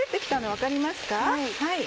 はい。